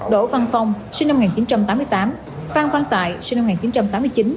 đỗ văn phong sinh năm một nghìn chín trăm tám mươi tám phan văn tại sinh năm một nghìn chín trăm tám mươi chín